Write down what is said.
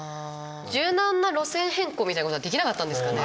柔軟な路線変更みたいなことはできなかったんですかね？